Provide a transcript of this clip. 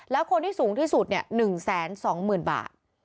แล้วคนที่สูงที่สุดเนี้ยหนึ่งแสนสองหมื่นบาท